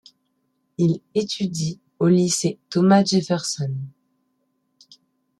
Il étudie au lycée Thomas Jefferson.